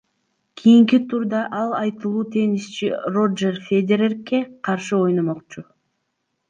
Кийинки турда ал айтылуу теннисчи Рожер Федерерге каршы ойномокчу.